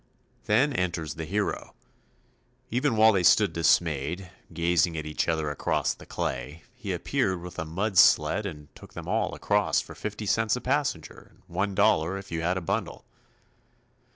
Then enters the hero. Even while they stood dismayed, gazing at each other across the clay, he appeared with a mud sled and took them all across for 50 cents a passenger and $1 if you had a bundle.